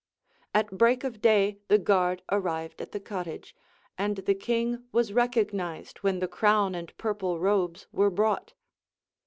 At break of day the guard arrived at the cottage, and the king was recognized when the crown and purple robes w^ere brought.